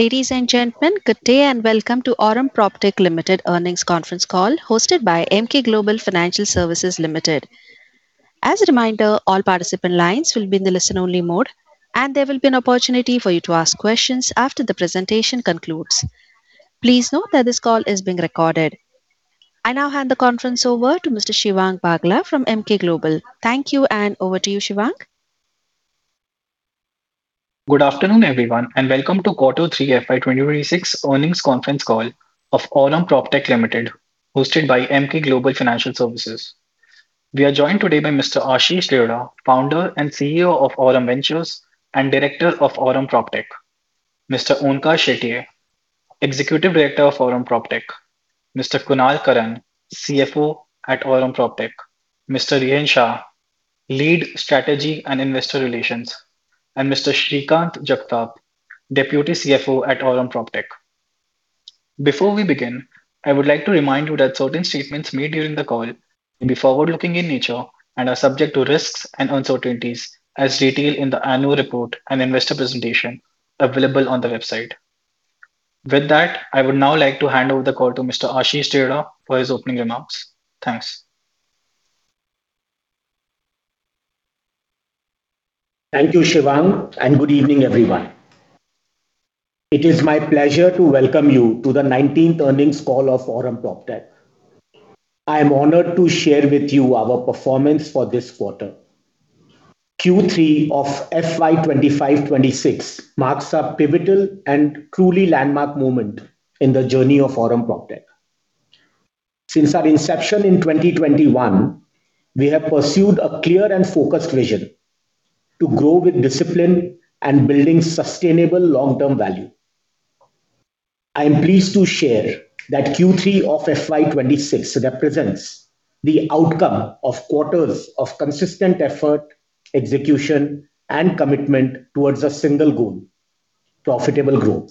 Ladies and gentlemen, good day and welcome to Aurum PropTech Limited earnings conference call hosted by Emkay Global Financial Services Limited. As a reminder, all participant lines will be in the listen-only mode, and there will be an opportunity for you to ask questions after the presentation concludes. Please note that this call is being recorded. I now hand the conference over to Mr. Shivang Bagla from Emkay Global. Thank you, and over to you, Shivang. Good afternoon, everyone, and welcome to quarter three FY 2026 earnings conference call of Aurum PropTech Limited, hosted by Emkay Global Financial Services. We are joined today by Mr. Ashish Deora, Founder and CEO of Aurum Ventures and Director of Aurum PropTech; Mr. Onkar Shetye, Executive Director of Aurum PropTech; Mr. Kunal Karan, CFO at Aurum PropTech; Mr. Rehan Shah, Lead Strategy and Investor Relations; and Mr. Shrikanth Jagtap, Deputy CFO at Aurum PropTech. Before we begin, I would like to remind you that certain statements made during the call may be forward-looking in nature and are subject to risks and uncertainties, as detailed in the annual report and investor presentation available on the website. With that, I would now like to hand over the call to Mr. Ashish Deora for his opening remarks. Thanks. Thank you, Shivang, and good evening, everyone. It is my pleasure to welcome you to the 19th earnings call of Aurum PropTech. I am honored to share with you our performance for this quarter. Q3 of FY 2025-2026 marks a pivotal and truly landmark moment in the journey of Aurum PropTech. Since our inception in 2021, we have pursued a clear and focused vision to grow with discipline and build sustainable long-term value. I am pleased to share that Q3 of FY 2026 represents the outcome of quarters of consistent effort, execution, and commitment towards a single goal: profitable growth.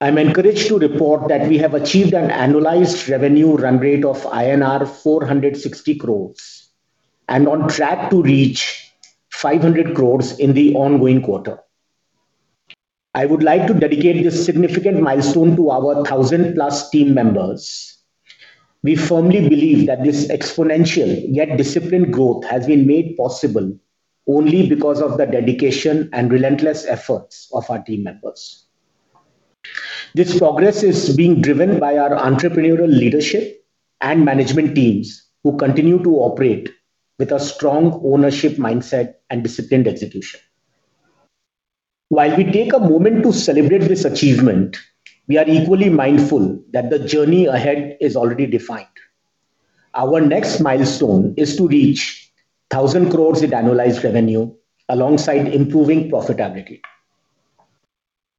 I am encouraged to report that we have achieved an annualized revenue run rate of INR 460 crore and are on track to reach 500 crore in the ongoing quarter. I would like to dedicate this significant milestone to our 1,000+ team members. We firmly believe that this exponential yet disciplined growth has been made possible only because of the dedication and relentless efforts of our team members. This progress is being driven by our entrepreneurial leadership and management teams who continue to operate with a strong ownership mindset and disciplined execution. While we take a moment to celebrate this achievement, we are equally mindful that the journey ahead is already defined. Our next milestone is to reach 1,000 crore in annualized revenue alongside improving profitability.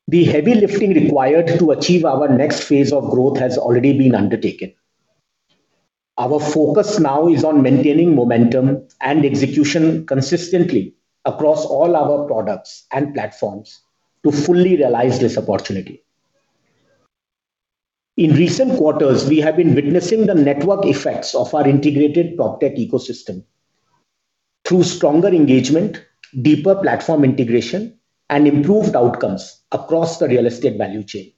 The heavy lifting required to achieve our next phase of growth has already been undertaken. Our focus now is on maintaining momentum and execution consistently across all our products and platforms to fully realize this opportunity. In recent quarters, we have been witnessing the network effects of our integrated PropTech ecosystem through stronger engagement, deeper platform integration, and improved outcomes across the real estate value chain.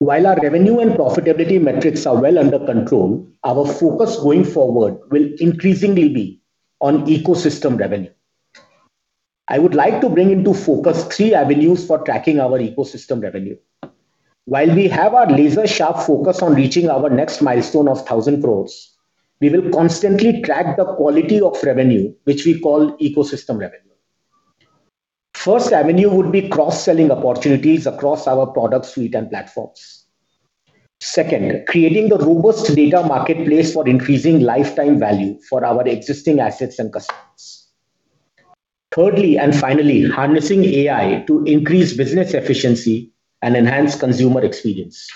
While our revenue and profitability metrics are well under control, our focus going forward will increasingly be on ecosystem revenue. I would like to bring into focus three avenues for tracking our ecosystem revenue. While we have our laser-sharp focus on reaching our next milestone of 1,000 crore, we will constantly track the quality of revenue, which we call ecosystem revenue. The first avenue would be cross-selling opportunities across our product suite and platforms. Second, creating the robust data marketplace for increasing lifetime value for our existing assets and customers. Thirdly, and finally, harnessing AI to increase business efficiency and enhance consumer experience.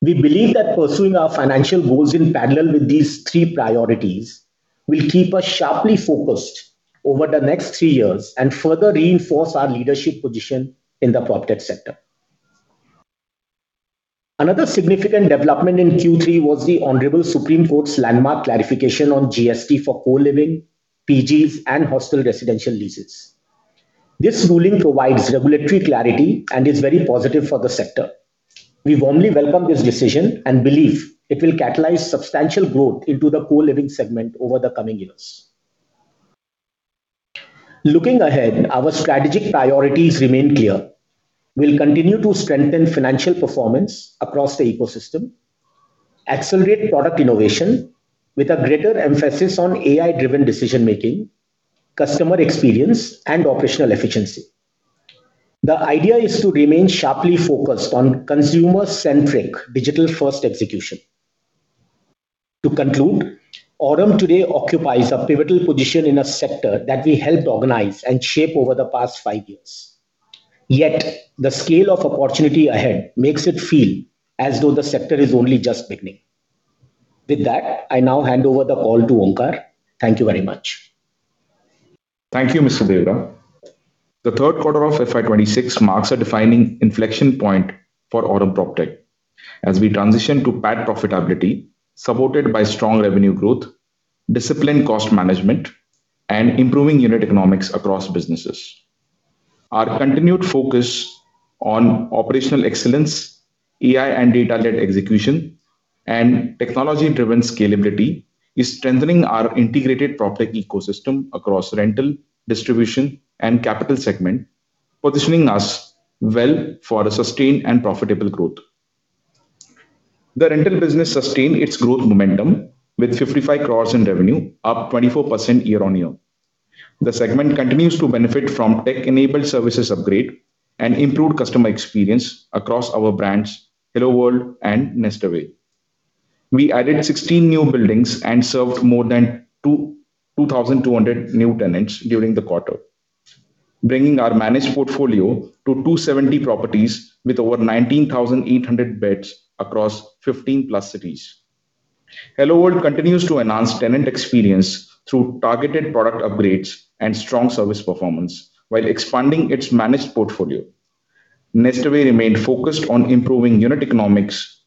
We believe that pursuing our financial goals in parallel with these three priorities will keep us sharply focused over the next three years and further reinforce our leadership position in the PropTech sector. Another significant development in Q3 was the Honorable Supreme Court's landmark clarification on GST for co-living, PGs, and hostel residential leases. This ruling provides regulatory clarity and is very positive for the sector. We warmly welcome this decision and believe it will catalyze substantial growth into the co-living segment over the coming years. Looking ahead, our strategic priorities remain clear. We'll continue to strengthen financial performance across the ecosystem, accelerate product innovation with a greater emphasis on AI-driven decision-making, customer experience, and operational efficiency. The idea is to remain sharply focused on consumer-centric digital-first execution. To conclude, Aurum today occupies a pivotal position in a sector that we helped organize and shape over the past five years. Yet, the scale of opportunity ahead makes it feel as though the sector is only just beginning. With that, I now hand over the call to Onkar. Thank you very much. Thank you, Mr. Deora. The third quarter of FY 2026 marks a defining inflection point for Aurum PropTech as we transition to PAT profitability supported by strong revenue growth, disciplined cost management, and improving unit economics across businesses. Our continued focus on operational excellence, AI and data-led execution, and technology-driven scalability is strengthening our integrated PropTech ecosystem across rental, distribution, and capital segment, positioning us well for sustained and profitable growth. The rental business sustained its growth momentum with 55 crore in revenue, up 24% year-on-year. The segment continues to benefit from tech-enabled services upgrade and improved customer experience across our brands, Hello World and Nestaway. We added 16 new buildings and served more than 2,200 new tenants during the quarter, bringing our managed portfolio to 270 properties with over 19,800 beds across 15+ cities. Hello World continues to enhance tenant experience through targeted product upgrades and strong service performance while expanding its managed portfolio. Nestaway remained focused on improving unit economics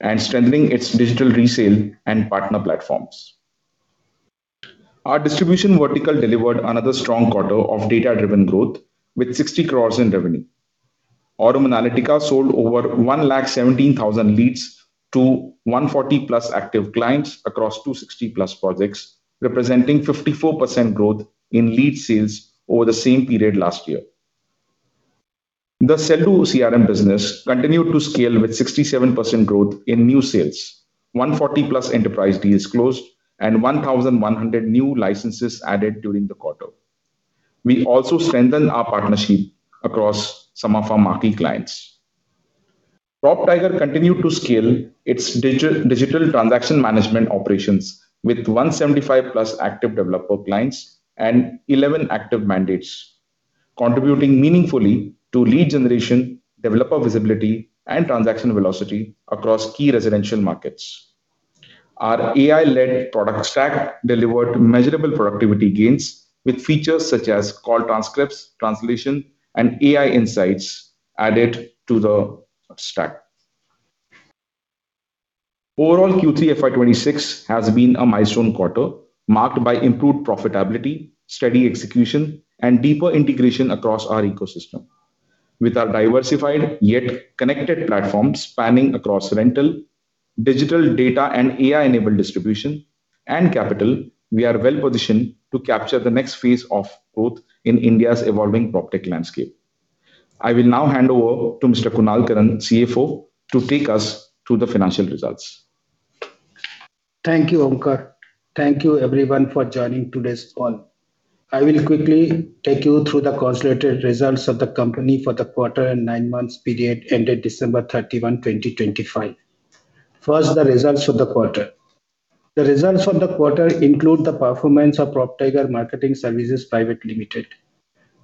and strengthening its digital resale and partner platforms. Our distribution vertical delivered another strong quarter of data-driven growth with 600 million in revenue. Aurum Analytica sold over 117,000 leads to 140+ active clients across 260+ projects, representing 54% growth in lead sales over the same period last year. The Sell.Do CRM business continued to scale with 67% growth in new sales, 140+ enterprise deals closed, and 1,100 new licenses added during the quarter. We also strengthened our partnership across some of our marquee clients. PropTiger continued to scale its digital transaction management operations with 175+ active developer clients and 11 active mandates, contributing meaningfully to lead generation, developer visibility, and transaction velocity across key residential markets. Our AI-led product stack delivered measurable productivity gains with features such as call transcripts, translation, and AI insights added to the stack. Overall, Q3 FY 2026 has been a milestone quarter marked by improved profitability, steady execution, and deeper integration across our ecosystem. With our diversified yet connected platforms spanning across rental, digital data, and AI-enabled distribution and capital, we are well positioned to capture the next phase of growth in India's evolving PropTech landscape. I will now hand over to Mr. Kunal Karan, CFO, to take us through the financial results. Thank you, Onkar. Thank you, everyone, for joining today's call. I will quickly take you through the consolidated results of the company for the quarter and nine-month period ended December 31, 2025. First, the results for the quarter. The results for the quarter include the performance of PropTiger Marketing Services Private Limited.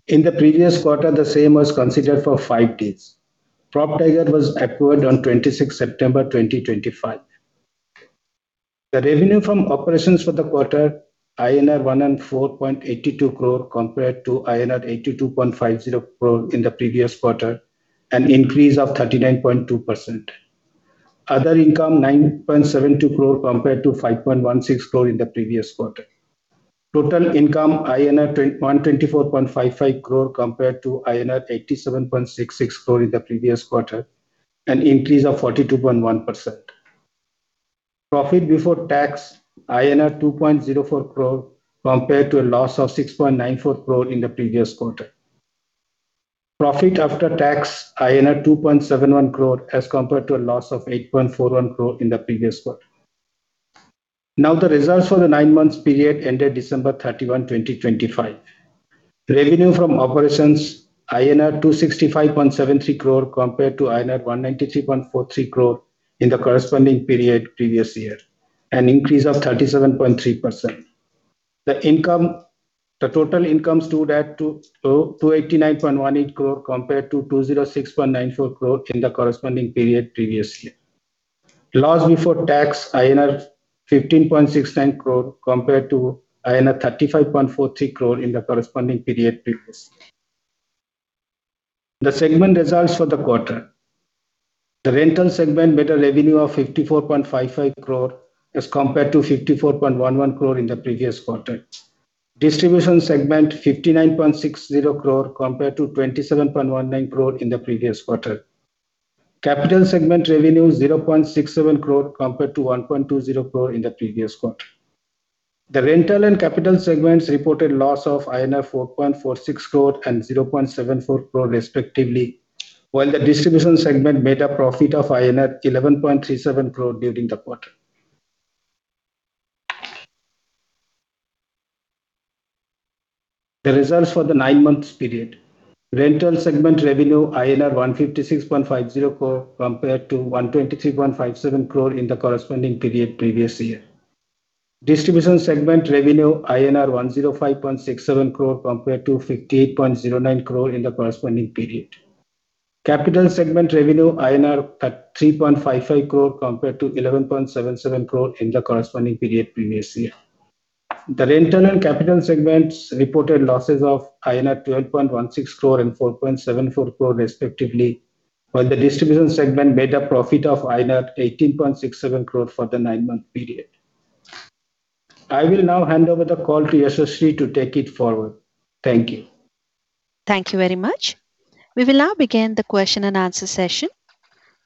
In the previous quarter, the same was considered for five days. PropTiger was acquired on 26 September 2025. The revenue from operations for the quarter, INR 104.82 crore, compared to INR 82.50 crore in the previous quarter, an increase of 39.2%. Other income, 9.72 crore compared to 5.16 crore in the previous quarter. Total income, INR 124.55 crore compared to INR 87.66 crore in the previous quarter, an increase of 42.1%. Profit before tax, INR 2.04 crore compared to a loss of 6.94 crore in the previous quarter. Profit after tax, INR 2.71 crore as compared to a loss of 8.41 crore in the previous quarter. Now, the results for the nine-month period ended December 31, 2025. Revenue from operations, INR 265.73 crore compared to INR 193.43 crore in the corresponding period previous year, an increase of 37.3%. The total income stood at 289.18 crore compared to 206.94 crore in the corresponding period previous year. Loss before tax, INR 15.69 crore compared to INR 35.43 crore in the corresponding period previous year. The segment results for the quarter. The rental segment better revenue of 54.55 crore as compared to 54.11 crore in the previous quarter. Distribution segment, 59.60 crore compared to 27.19 crore in the previous quarter. Capital segment revenue, 0.67 crore compared to 1.20 crore in the previous quarter. The rental and capital segments reported loss of INR 4.46 crore and 0.74 crore, respectively, while the distribution segment made a profit of INR 11.37 crore during the quarter. The results for the nine-month period. Rental segment revenue, INR 156.50 crore compared to 123.57 crore in the corresponding period previous year. Distribution segment revenue, INR 105.67 crore compared to 58.09 crore in the corresponding period. Capital segment revenue, 3.55 crore INR compared to 11.77 crore in the corresponding period previous year. The rental and capital segments reported losses of INR 12.16 crore and 4.74 crore, respectively, while the distribution segment made a profit of INR 18.67 crore for the nine-month period. I will now hand over the call to Ashish Deora to take it forward. Thank you. Thank you very much. We will now begin the question and answer session.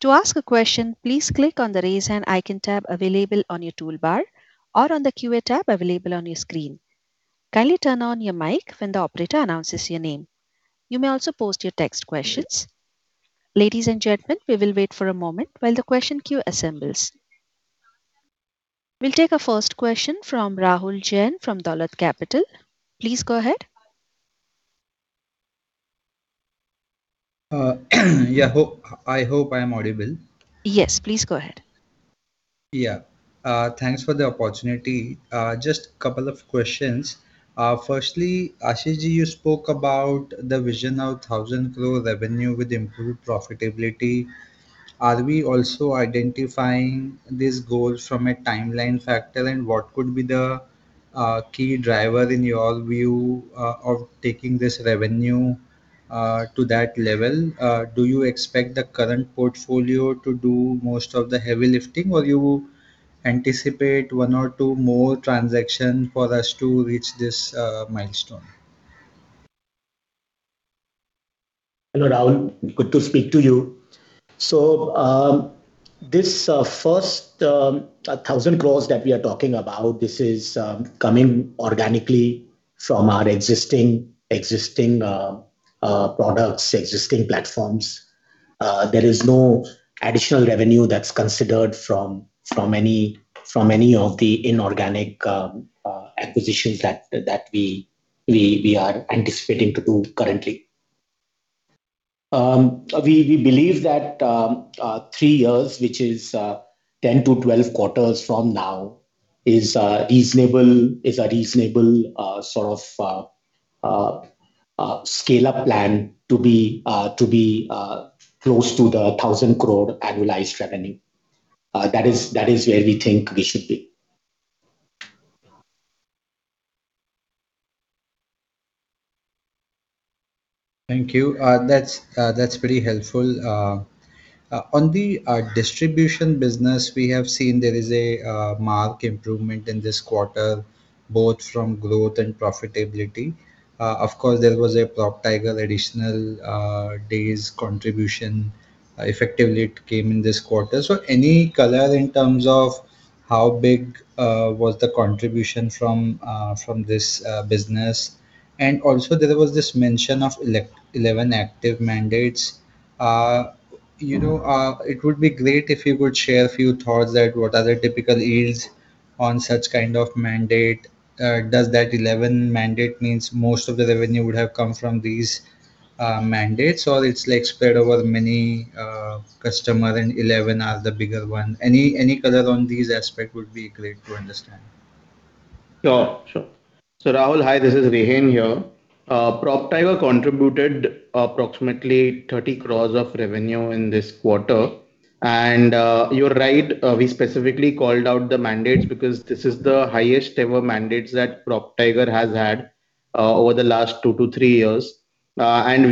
To ask a question, please click on the raise hand icon tab available on your toolbar or on the Q&A tab available on your screen. Kindly turn on your mic when the operator announces your name. You may also post your text questions. Ladies and gentlemen, we will wait for a moment while the question queue assembles. We'll take a first question from Rahul Jain from Dolat Capital. Please go ahead. Yeah, I hope I am audible. Yes, please go ahead. Yeah, thanks for the opportunity. Just a couple of questions. Firstly, Ashish Deora, you spoke about the vision of 1,000 crore revenue with improved profitability. Are we also identifying this goal from a timeline factor, and what could be the key driver in your view of taking this revenue to that level? Do you expect the current portfolio to do most of the heavy lifting, or do you anticipate one or two more transactions for us to reach this milestone? Hello, Rahul. Good to speak to you. This first 1,000 crore that we are talking about, this is coming organically from our existing products, existing platforms. There is no additional revenue that's considered from any of the inorganic acquisitions that we are anticipating to do currently. We believe that three years, which is 10-12 quarters from now, is a reasonable sort of scale-up plan to be close to the 1,000 crore annualized revenue. That is where we think we should be. Thank you. That's pretty helpful. On the distribution business, we have seen there is a marked improvement in this quarter, both from growth and profitability. Of course, there was a PropTiger additional days contribution. Effectively, it came in this quarter. Any color in terms of how big was the contribution from this business? Also, there was this mention of 11 active mandates. It would be great if you could share a few thoughts that what are the typical yields on such kind of mandate? Does that 11 mandate mean most of the revenue would have come from these mandates, or it's spread over many customers, and 11 are the bigger ones? Any color on these aspects would be great to understand. Sure, sure. Rahul, hi, this is Rehan here. PropTiger contributed approximately 300 million of revenue in this quarter. You're right, we specifically called out the mandates because this is the highest-ever mandates that PropTiger has had over the last two to three years. We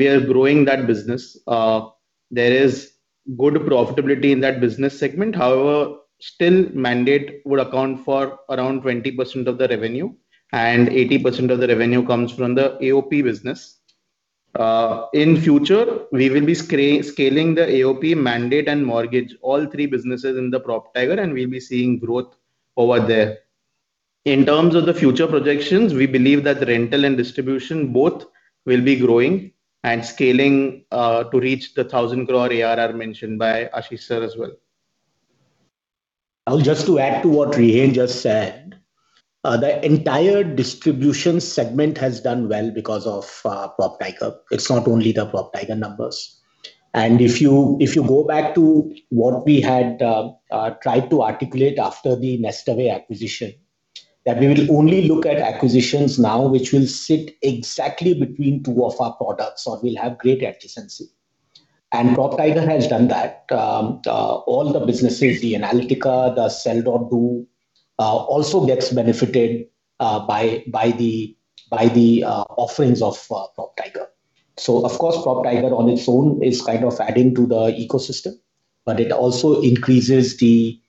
are growing that business. There is good profitability in that business segment. However, still, mandate would account for around 20% of the revenue, and 80% of the revenue comes from the AOP business. In future, we will be scaling the AOP, mandate, and mortgage, all three businesses in the PropTiger, and we'll be seeing growth over there. In terms of the future projections, we believe that rental and distribution both will be growing and scaling to reach the 10 billion ARR mentioned by Ashish Deora as well. I'll just add to what Rehan just said. The entire distribution segment has done well because of PropTiger. It's not only the PropTiger numbers. If you go back to what we had tried to articulate after the Nestaway acquisition, that we will only look at acquisitions now which will sit exactly between two of our products, or will have great efficiency. PropTiger has done that. All the businesses, the Analytica, the Sell.Do also gets benefited by the offerings of PropTiger. Of course, PropTiger on its own is kind of adding to the ecosystem, but it also increases the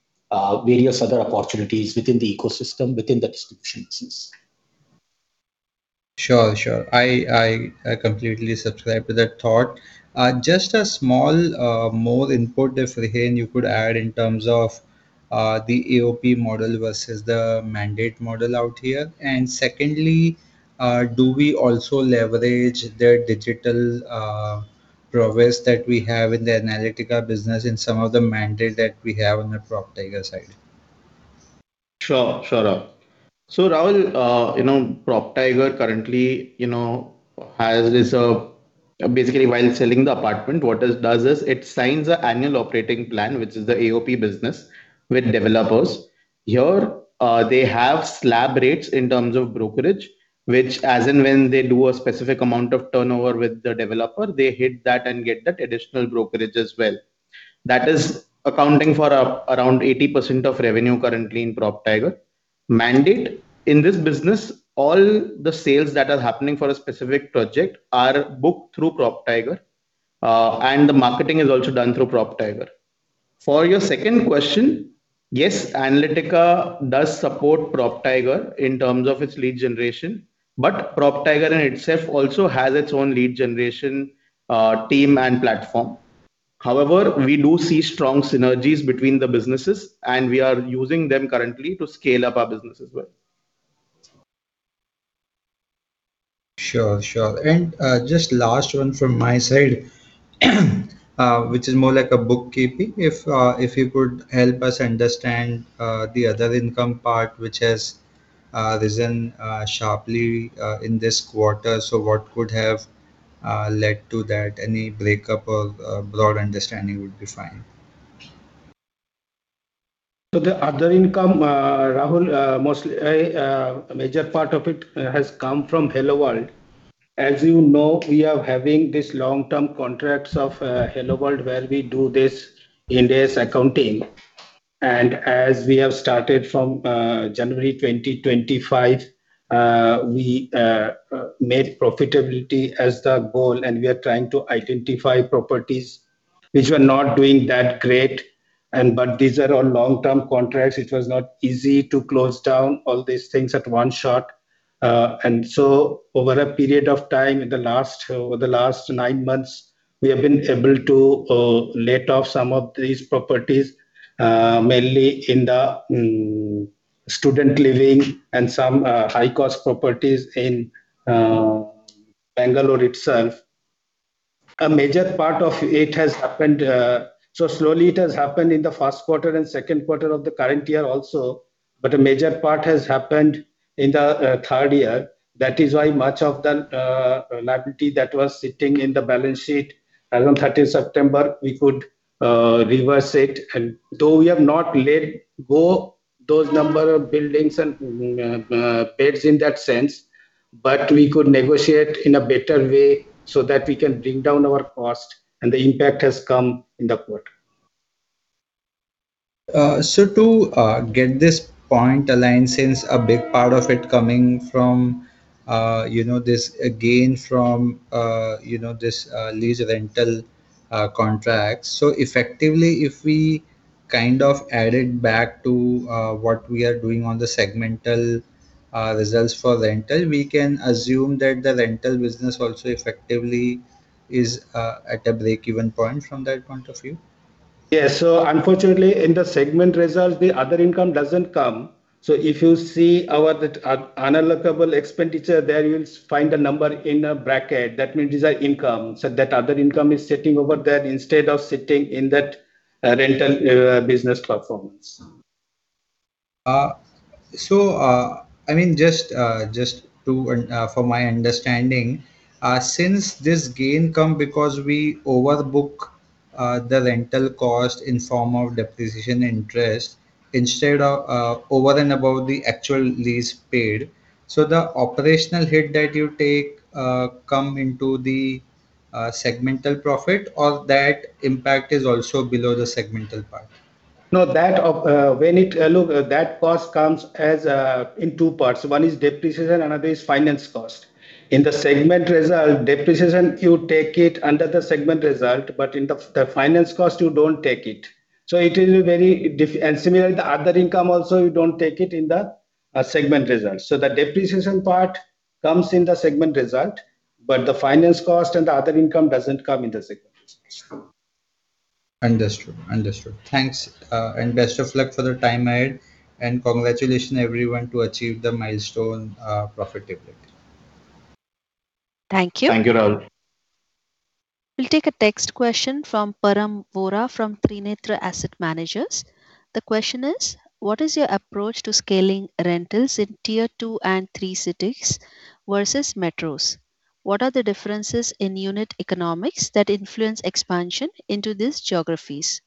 various other opportunities within the ecosystem, within the distribution business. Sure, sure. I completely subscribe to that thought. Just a small more input, if Rehan, you could add in terms of the AOP model versus the mandate model out here. Secondly, do we also leverage the digital prowess that we have in the Analytica business in some of the mandate that we have on the PropTiger side? Sure, sure. Rahul, PropTiger currently has basically, while selling the apartment, what it does is it signs an annual operating plan, which is the AOP business, with developers. Here, they have slab rates in terms of brokerage, which, as and when they do a specific amount of turnover with the developer, they hit that and get that additional brokerage as well. That is accounting for around 80% of revenue currently in PropTiger. Mandate, in this business, all the sales that are happening for a specific project are booked through PropTiger, and the marketing is also done through PropTiger. For your second question, yes, Analytica does support PropTiger in terms of its lead generation, but PropTiger in itself also has its own lead generation team and platform. However, we do see strong synergies between the businesses, and we are using them currently to scale up our business as well. Sure, sure. Just last one from my side, which is more like a bookkeeping. If you could help us understand the other income part, which has risen sharply in this quarter, what could have led to that? Any breakup or broad understanding would be fine. The other income, Rahul, mostly a major part of it has come from Hello World. As you know, we are having these long-term contracts of Hello World where we do this in-house accounting. As we have started from January 2025, we made profitability as the goal, and we are trying to identify properties which were not doing that great. These are all long-term contracts. It was not easy to close down all these things at one shot. Over a period of time in the last nine months, we have been able to let off some of these properties, mainly in the student living and some high-cost properties in Bangalore itself. A major part of it has happened so slowly. It has happened in the first quarter and second quarter of the current year also, but a major part has happened in the third year. That is why much of the liability that was sitting in the balance sheet as of 30 September, we could reverse it. Though we have not let go of those number of buildings and beds in that sense, we could negotiate in a better way so that we can bring down our cost, and the impact has come in the quarter. To get this point aligned, since a big part of it is coming from this gain from these lease rental contracts, if we kind of add it back to what we are doing on the segmental results for rental, we can assume that the rental business also effectively is at a break-even point from that point of view? Yeah. Unfortunately, in the segment results, the other income does not come. If you see our unallocable expenditure there, you will find a number in a bracket. That means these are income. That other income is sitting over there instead of sitting in that rental business performance. I mean, just for my understanding, since this gain comes because we overbook the rental cost in form of deposition interest instead of over and above the actual lease paid, does the operational hit that you take come into the segmental profit, or that impact is also below the segmental part? No, when it looks, that cost comes in two parts. One is depreciation, another is finance cost. In the segment result, depreciation, you take it under the segment result, but in the finance cost, you do not take it. It is very different. Similarly, the other income also, you do not take it in the segment result. The depreciation part comes in the segment result, but the finance cost and the other income do not come in the segment result. Understood. Understood. Thanks. Best of luck for the time ahead. Congratulations everyone to achieve the milestone profitability. Thank you. Thank you, Rahul. We'll take a text question from Param Vora from Trinetra Asset Managers. The question is, what is your approach to scaling rentals in Tier 2 and 3 cities versus metros? What are the differences in unit economics that influence expansion into these geographies?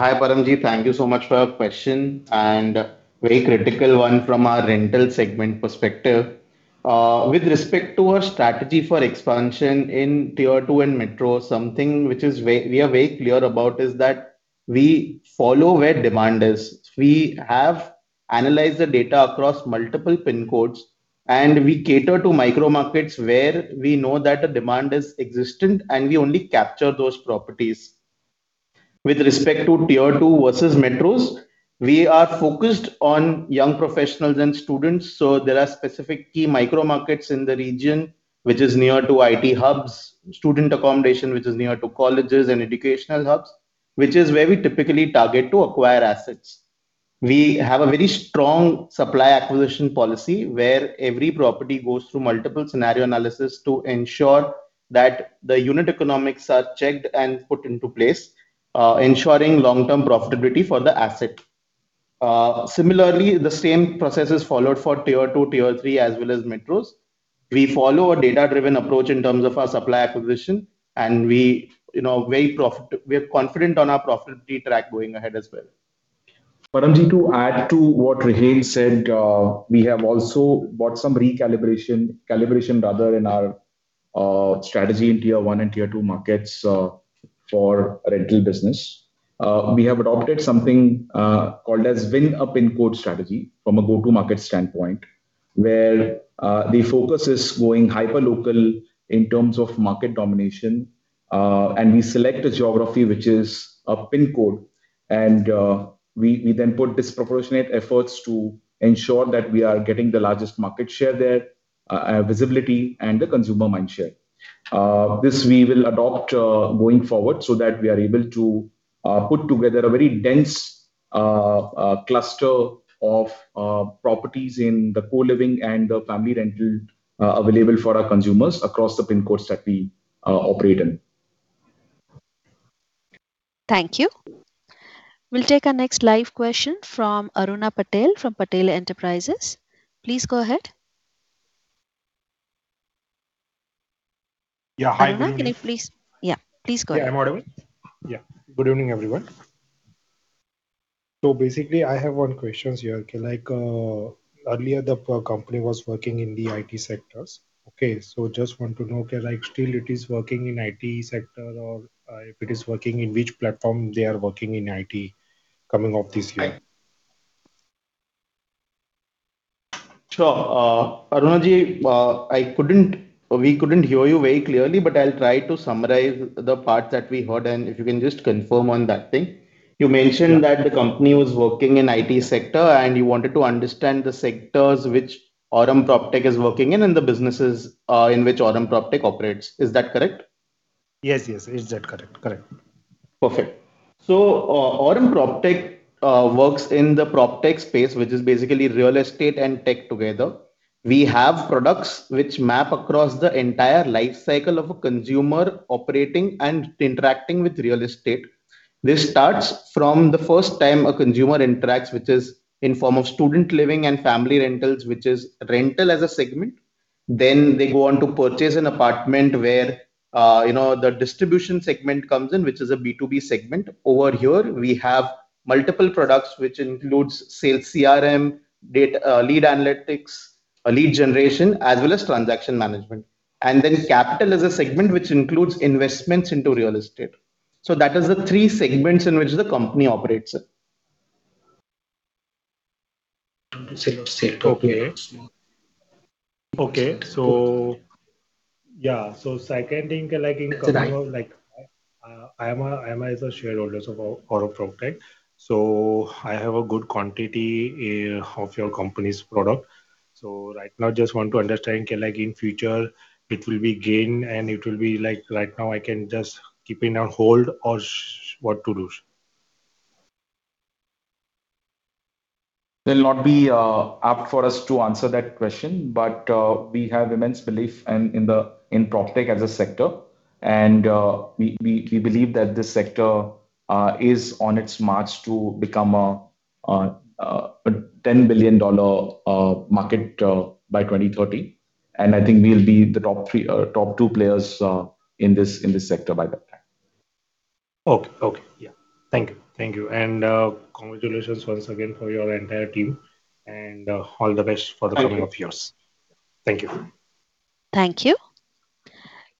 Hi, Param Ji. Thank you so much for your question. A very critical one from our rental segment perspective. With respect to our strategy for expansion in Tier 2 and metros, something which we are very clear about is that we follow where demand is. We have analyzed the data across multiple PIN codes, and we cater to micro-markets where we know that the demand is existent, and we only capture those properties. With respect to Tier 2 versus metros, we are focused on young professionals and students. There are specific key micro-markets in the region, which is near to IT hubs, student accommodation, which is near to colleges and educational hubs, which is where we typically target to acquire assets. We have a very strong supply acquisition policy where every property goes through multiple scenario analysis to ensure that the unit economics are checked and put into place, ensuring long-term profitability for the asset. Similarly, the same process is followed for Tier 2, Tier 3, as well as metros. We follow a data-driven approach in terms of our supply acquisition, and we are confident on our profitability track going ahead as well. Param Ji, to add to what Rehan said, we have also brought some recalibration, calibration rather, in our strategy in Tier 1 and Tier 2 markets for rental business. We have adopted something called as Win a PIN code strategy from a go-to-market standpoint, where the focus is going hyper-local in terms of market domination. We select a geography which is a PIN code, and we then put disproportionate efforts to ensure that we are getting the largest market share there, visibility, and the consumer mind share. This we will adopt going forward so that we are able to put together a very dense cluster of properties in the co-living and the family rental available for our consumers across the PIN codes that we operate in. Thank you. We'll take our next live question from Aruna Patel from Patel Enterprises. Please go ahead. Yeah, hi, everyone. Aruna, can you please, yeah, please go ahead. Yeah, I'm audible? Yeah. Good evening, everyone. Basically, I have one question here. Earlier, the company was working in the IT sectors. Okay. I just want to know, still, it is working in IT sector, or if it is working, in which platform they are working in IT coming up this year? Sure. Aruna Ji, we could not hear you very clearly, but I will try to summarize the parts that we heard, and if you can just confirm on that thing. You mentioned that the company was working in IT sector, and you wanted to understand the sectors which Aurum PropTech is working in and the businesses in which Aurum PropTech operates. Is that correct? Yes, yes. Is that correct? Correct. Perfect. Aurum PropTech works in the PropTech space, which is basically real estate and tech together. We have products which map across the entire lifecycle of a consumer operating and interacting with real estate. This starts from the first time a consumer interacts, which is in form of student living and family rentals, which is rental as a segment. They go on to purchase an apartment where the distribution segment comes in, which is a B2B segment. Over here, we have multiple products which include sales CRM, lead analytics, lead generation, as well as transaction management. Capital is a segment which includes investments into real estate. That is the three segments in which the company operates. Okay. Okay. Yeah. Second thing, I am as a shareholder of Aurum PropTech. I have a good quantity of your company's product. Right now, I just want to understand in future, it will be gained, and it will be like right now, I can just keep in a hold or what to do? There'll not be an app for us to answer that question, but we have immense belief in PropTech as a sector. We believe that this sector is on its march to become a $10 billion market by 2030. I think we'll be the top two players in this sector by that time. Okay. Thank you. Thank you. And congratulations once again for your entire team, and all the best for the coming years. Thank you. Thank you.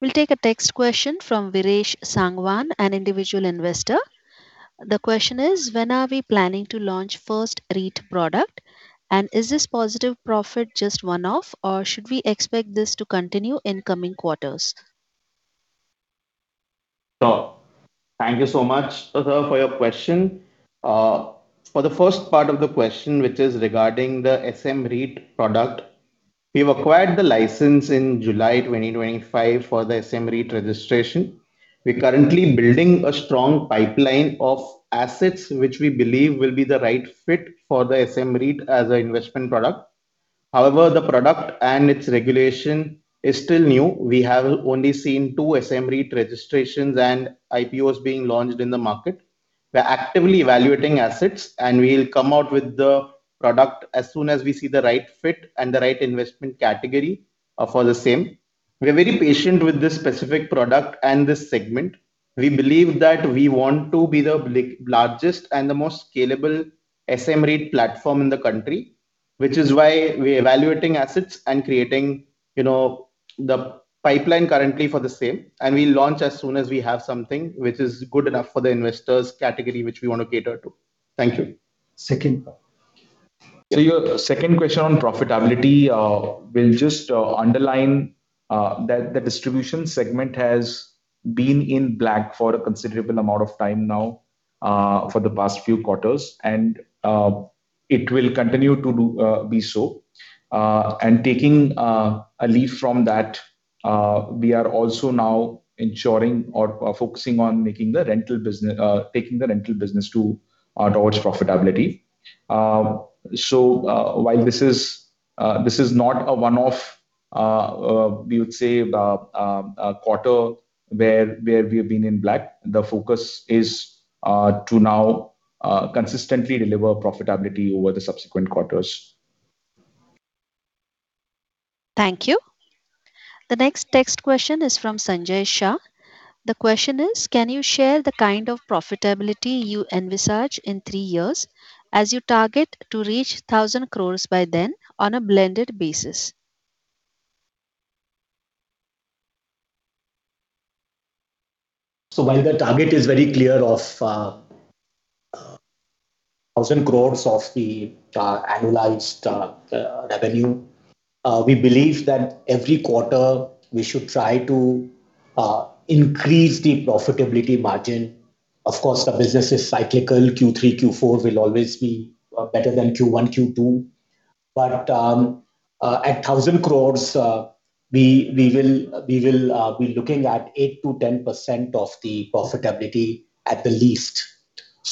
We'll take a text question from Viresh Sangwan, an individual investor. The question is, when are we planning to launch the first REIT product? Is this positive profit just one-off, or should we expect this to continue in coming quarters? Sure. Thank you so much for your question. For the first part of the question, which is regarding the SM REIT product, we've acquired the license in July 2025 for the SM REIT registration. We're currently building a strong pipeline of assets, which we believe will be the right fit for the SM REIT as an investment product. However, the product and its regulation are still new. We have only seen two SM REIT registrations and IPOs being launched in the market. We're actively evaluating assets, and we'll come out with the product as soon as we see the right fit and the right investment category for the same. We're very patient with this specific product and this segment. We believe that we want to be the largest and the most scalable SM REIT platform in the country, which is why we're evaluating assets and creating the pipeline currently for the same. We will launch as soon as we have something which is good enough for the investors' category, which we want to cater to. Thank you. Second. Your second question on profitability, we'll just underline that the distribution segment has been in black for a considerable amount of time now for the past few quarters, and it will continue to be so. Taking a leaf from that, we are also now ensuring or focusing on making the rental business, taking the rental business towards profitability. While this is not a one-off, we would say, quarter where we have been in black, the focus is to now consistently deliver profitability over the subsequent quarters. Thank you. The next text question is from Sanjay Shah. The question is, can you share the kind of profitability you envisage in three years as you target to reach 1,000 crore by then on a blended basis? While the target is very clear of 1,000 crore of the annualized revenue, we believe that every quarter, we should try to increase the profitability margin. Of course, the business is cyclical. Q3, Q4 will always be better than Q1, Q2. At 1,000 crore, we will be looking at 8%-10% of the profitability at the least.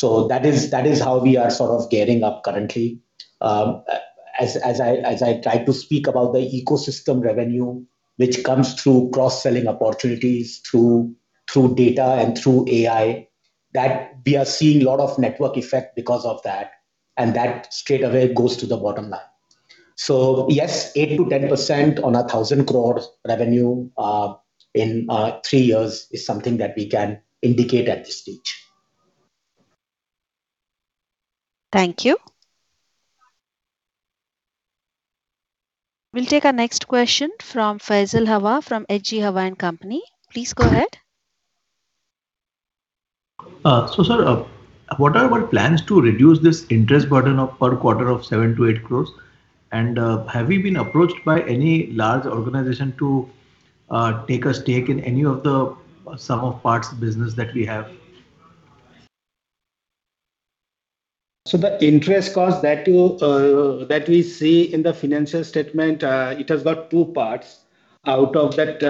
That is how we are sort of gearing up currently. As I try to speak about the ecosystem revenue, which comes through cross-selling opportunities, through data, and through AI, we are seeing a lot of network effect because of that, and that straight away goes to the bottom line. Yes, 8%-10% on a 1,000 crore revenue in three years is something that we can indicate at this stage. Thank you. We'll take our next question from Faisal Hawa from H.G. Hawa & Co. Please go ahead. Sir, what are our plans to reduce this interest burden of per quarter of 70 million crore-80 million crore? Have we been approached by any large organization to take a stake in any of the sum of parts business that we have? The interest cost that we see in the financial statement has two parts. Out of that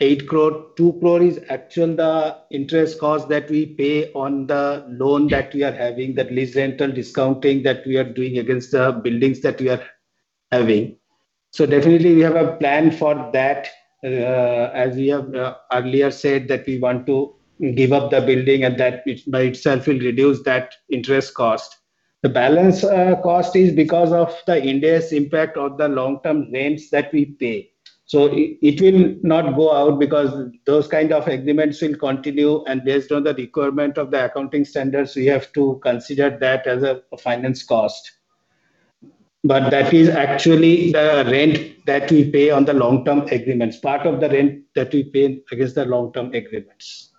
80 million crore, 20 million crore is actually the interest cost that we pay on the loan that we are having, the lease rental discounting that we are doing against the buildings that we are having. We definitely have a plan for that. As we have earlier said, we want to give up the building and that by itself will reduce that interest cost. The balance cost is because of the investment impact of the long-term rents that we pay. It will not go out because those kinds of agreements will continue. Based on the requirement of the accounting standards, we have to consider that as a finance cost. That is actually the rent that we pay on the long-term agreements, part of the rent that we pay against the long-term agreements.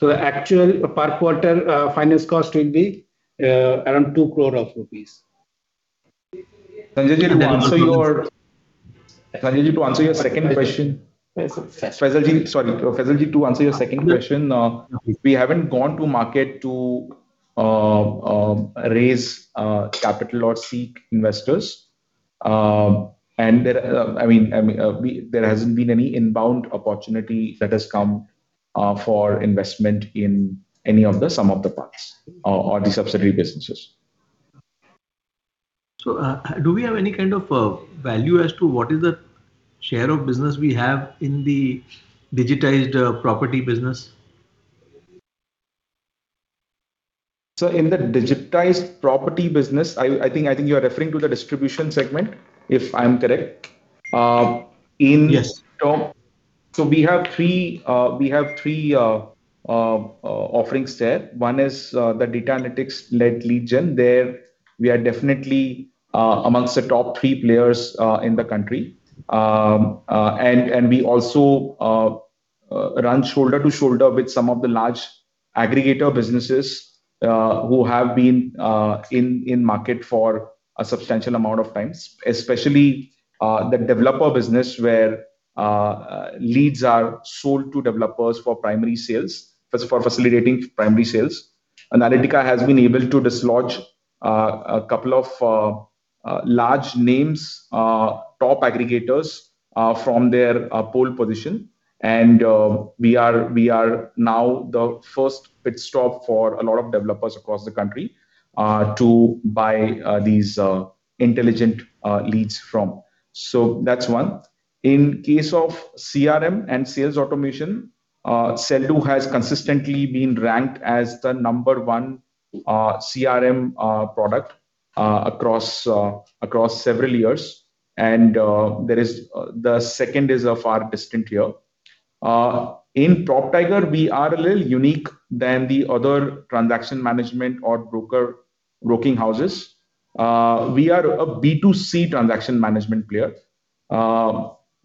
The actual per quarter finance cost will be around 20 million rupees. Sanjay Ji, to answer your second question. Faisal Ji, sorry. Faisal Ji, to answer your second question, we haven't gone to market to raise capital or seek investors. I mean, there hasn't been any inbound opportunity that has come for investment in any of the sum of the parts or the subsidiary businesses. Do we have any kind of value as to what is the share of business we have in the digitized property business? In the digitized property business, I think you are referring to the distribution segment, if I'm correct. Yes. We have three offerings there. One is the data analytics-led region. There, we are definitely amongst the top three players in the country. We also run shoulder to shoulder with some of the large aggregator businesses who have been in market for a substantial amount of time, especially the developer business where leads are sold to developers for primary sales, for facilitating primary sales. Aurum Analytica has been able to dislodge a couple of large names, top aggregators from their pole position. We are now the first pit stop for a lot of developers across the country to buy these intelligent leads from. That is one. In case of CRM and sales automation, Sell.Do has consistently been ranked as the number one CRM product across several years. The second is far distant here. In PropTiger, we are a little unique than the other transaction management or broking houses. We are a B2C transaction management player,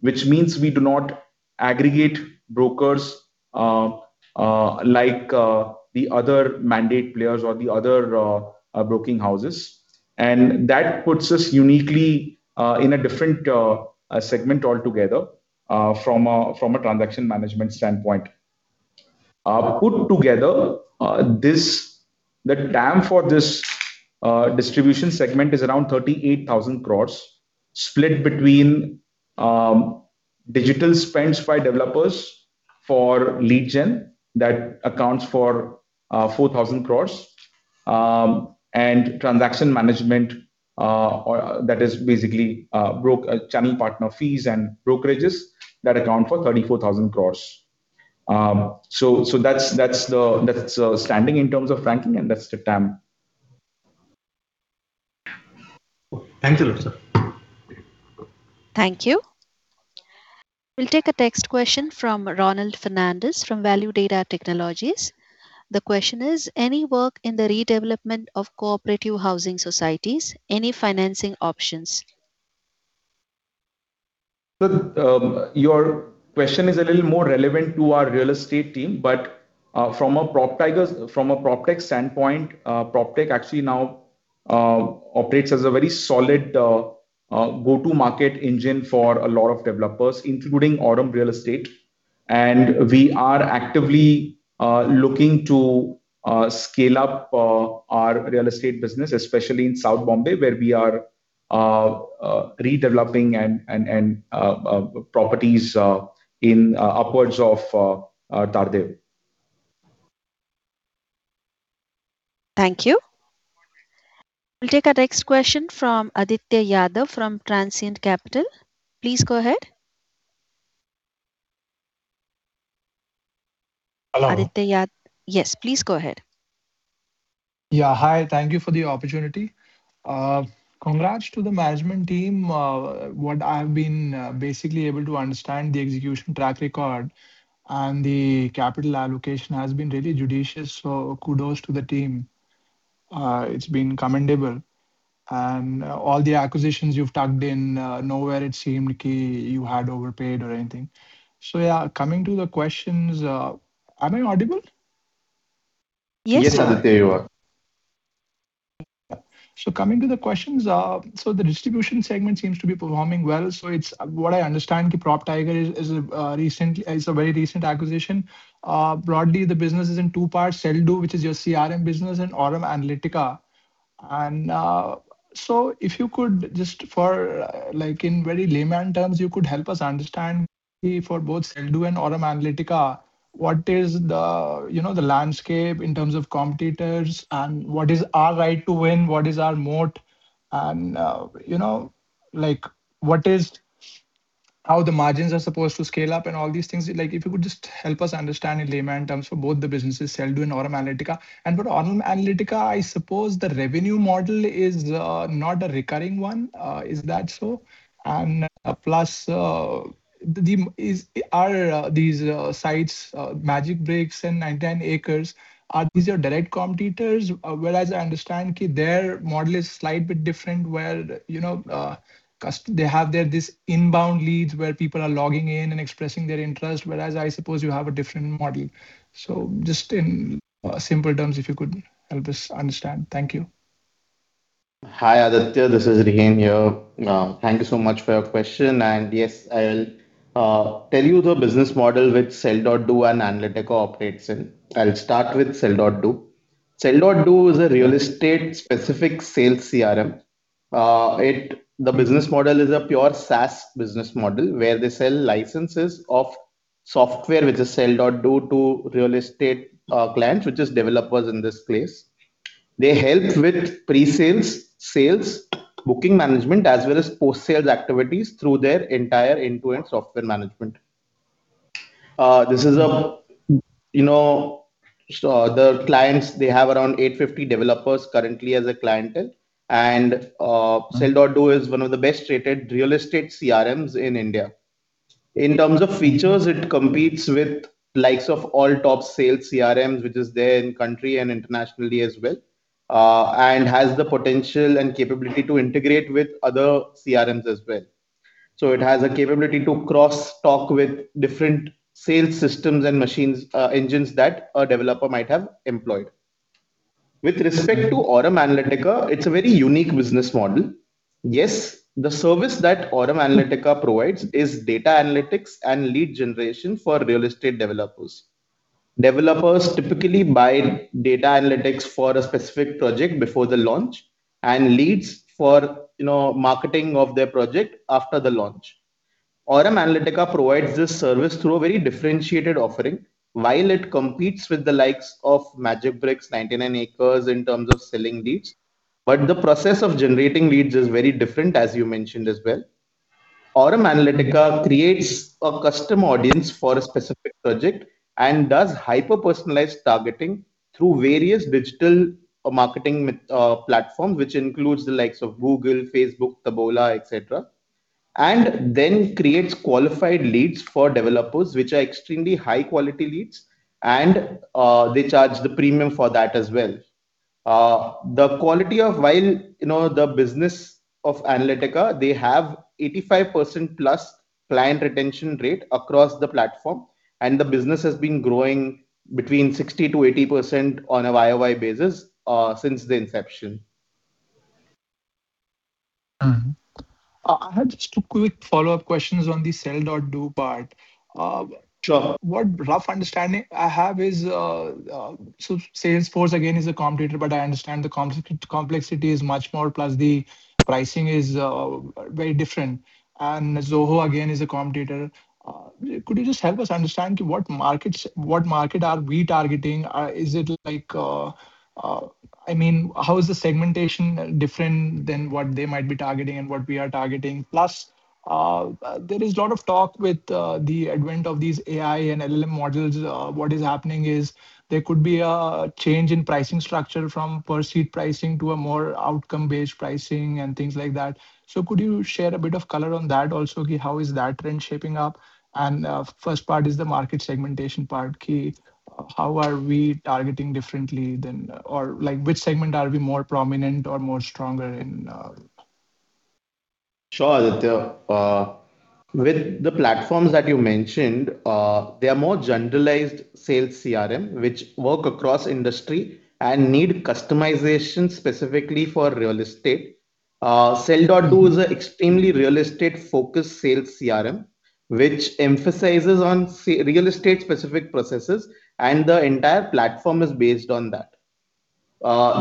which means we do not aggregate brokers like the other mandate players or the other broking houses. That puts us uniquely in a different segment altogether from a transaction management standpoint. Put together, the TAM for this distribution segment is around 38,000 crore, split between digital spends by developers for lead gen that accounts for 4,000 crore, and transaction management that is basically channel partner fees and brokerages that account for 34,000 crore. That is standing in terms of ranking, and that is the TAM. Thank you, sir. Thank you. We'll take a text question from Ronald Fernandez from Value Data Technologies. The question is, any work in the redevelopment of cooperative housing societies, any financing options? Your question is a little more relevant to our real estate team, but from a PropTech standpoint, PropTech actually now operates as a very solid go-to-market engine for a lot of developers, including Aurum Real Estate. We are actively looking to scale up our real estate business, especially in South Bombay, where we are redeveloping properties upwards of Tardeo. Thank you. We'll take a text question from Aditya Yadav from Transient Capital. Please go ahead. Hello. Yes, please go ahead. Yeah. Hi. Thank you for the opportunity. Congrats to the management team. What I've been basically able to understand, the execution track record and the capital allocation has been really judicious. Kudos to the team. It's been commendable. All the acquisitions you've tucked in, nowhere it seemed you had overpaid or anything. Yeah, coming to the questions, am I audible? Yes. Yes, Aditya, you are. Coming to the questions, the distribution segment seems to be performing well. What I understand, PropTiger is a very recent acquisition. Broadly, the business is in two parts: Sell.Do, which is your CRM business, and Aurum Analytica. If you could just, in very layman terms, help us understand for both Sell.Do and Aurum Analytica, what is the landscape in terms of competitors, and what is our right to win? What is our moat? How are the margins supposed to scale up and all these things? If you could just help us understand in layman terms for both the businesses, Sell.Do and Aurum Analytica. For Aurum Analytica, I suppose the revenue model is not a recurring one. Is that so? Plus these sites, MagicBricks and 99acres, are these your direct competitors? Whereas I understand their model is slightly different, where they have this inbound leads where people are logging in and expressing their interest, whereas I suppose you have a different model. Just in simple terms, if you could help us understand. Thank you. Hi, Aditya. This is Rehan here. Thank you so much for your question. Yes, I'll tell you the business model which Sell.Do and Analytica operates in. I'll start with Sell.Do. Sell.Do is a real estate-specific sales CRM. The business model is a pure SaaS business model, where they sell licenses of software, which is Sell.Do, to real estate clients, which is developers in this case. They help with pre-sales, sales, booking management, as well as post-sales activities through their entire end-to-end software management. This is the clients. They have around 850 developers currently as a clientele. Sell.Do is one of the best-rated real estate CRMs in India. In terms of features, it competes with likes of all top sales CRMs, which is there in country and internationally as well, and has the potential and capability to integrate with other CRMs as well. It has a capability to cross-talk with different sales systems and machine engines that a developer might have employed. With respect to Aurum Analytica, it's a very unique business model. Yes, the service that Aurum Analytica provides is data analytics and lead generation for real estate developers. Developers typically buy data analytics for a specific project before the launch and leads for marketing of their project after the launch. Aurum Analytica provides this service through a very differentiated offering, while it competes with the likes of MagicBricks, 99acres in terms of selling leads. The process of generating leads is very different, as you mentioned as well. Aurum Analytica creates a custom audience for a specific project and does hyper-personalized targeting through various digital marketing platforms, which includes the likes of Google, Facebook, Taboola, etc., and then creates qualified leads for developers, which are extremely high-quality leads, and they charge the premium for that as well. The quality of, while the business of Analytica, they have 85% plus client retention rate across the platform, and the business has been growing between 60%-80% on a YoY basis since the inception. I had just two quick follow-up questions on the Sell.Do part. What rough understanding I have is, so Salesforce, again, is a competitor, but I understand the complexity is much more, plus the pricing is very different. And Zoho again is a competitor. Could you just help us understand what market are we targeting? Is it like, I mean, how is the segmentation different than what they might be targeting and what we are targeting? Plus, there is a lot of talk with the advent of these AI and LLM models. What is happening is there could be a change in pricing structure from per-seat pricing to a more outcome-based pricing and things like that. Could you share a bit of color on that also? How is that trend shaping up? The first part is the market segmentation part. How are we targeting differently than, or which segment are we more prominent or more stronger in? Sure, Aditya. With the platforms that you mentioned, they are more generalized sales CRM, which work across industry and need customization specifically for real estate. Sell.Do is an extremely real estate-focused sales CRM, which emphasizes on real estate-specific processes, and the entire platform is based on that.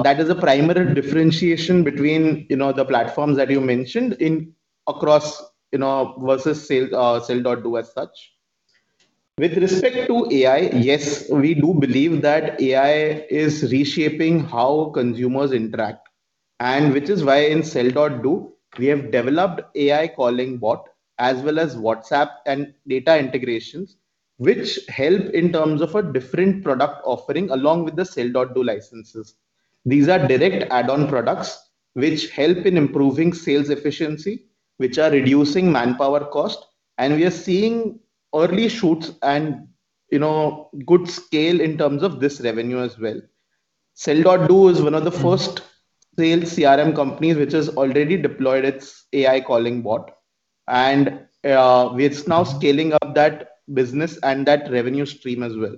That is a primary differentiation between the platforms that you mentioned across versus Sell.Do as such. With respect to AI, yes, we do believe that AI is reshaping how consumers interact, and which is why in Sell.Do, we have developed AI calling bot as well as WhatsApp and data integrations, which help in terms of a different product offering along with the Sell.Do licenses. These are direct add-on products which help in improving sales efficiency, which are reducing manpower cost, and we are seeing early shoots and good scale in terms of this revenue as well. Sell.Do is one of the first sales CRM companies which has already deployed its AI calling bot, and it's now scaling up that business and that revenue stream as well.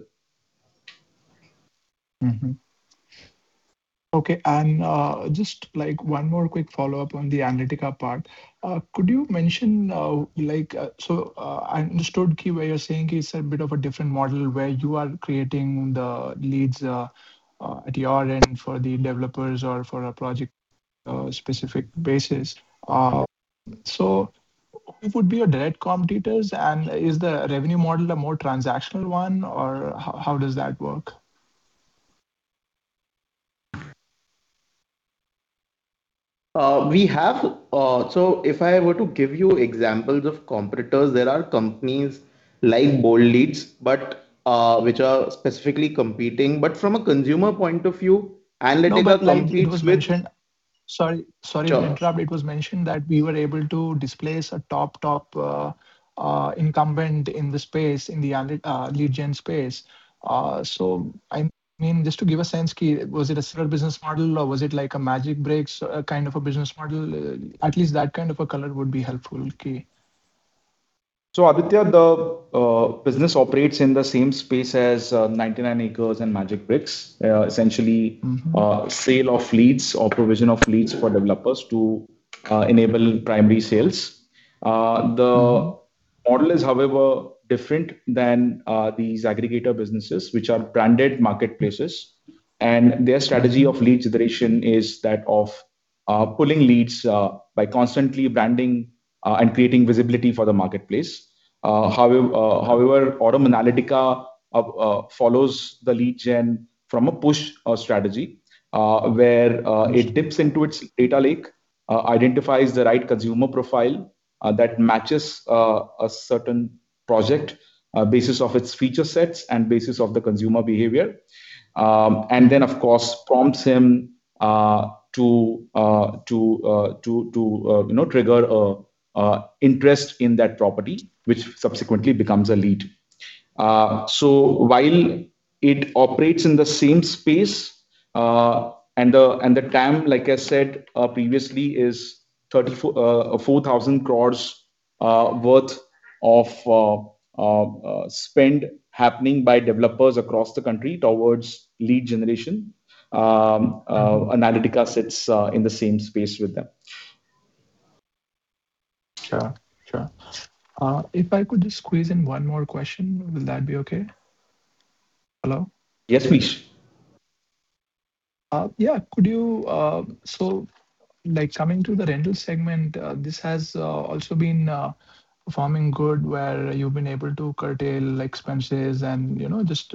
Okay. Just one more quick follow-up on the Analytica part. Could you mention, so I understood where you're saying it's a bit of a different model where you are creating the leads at your end for the developers or for a project-specific basis. Who would be your direct competitors, and is the revenue model a more transactional one, or how does that work? If I were to give you examples of competitors, there are companies like BoldLeads, which are specifically competing. From a consumer point of view, Analytica competes with. Sorry, sorry to interrupt. It was mentioned that we were able to displace a top, top incumbent in the space, in the lead gen space. I mean, just to give a sense, was it a similar business model, or was it like a MagicBricks kind of a business model? At least that kind of a color would be helpful. Aditya, the business operates in the same space as 99acres and MagicBricks, essentially sale of leads or provision of leads for developers to enable primary sales. The model is, however, different than these aggregator businesses, which are branded marketplaces, and their strategy of lead generation is that of pulling leads by constantly branding and creating visibility for the marketplace. However, Aurum Analytica follows the lead gen from a push strategy, where it dips into its data lake, identifies the right consumer profile that matches a certain project basis of its feature sets and basis of the consumer behavior, and then, of course, prompts him to trigger interest in that property, which subsequently becomes a lead. While it operates in the same space, and the TAM, like I said previously, is 4,000 crore worth of spend happening by developers across the country towards lead generation, Analytica sits in the same space with them. Sure, sure. If I could just squeeze in one more question, will that be okay? Hello? Yes, please. Yeah. Coming to the rental segment, this has also been a farming good where you've been able to curtail expenses and just